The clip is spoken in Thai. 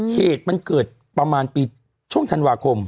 เหตุมันเกิดประมาณปีช่วงธันวาคม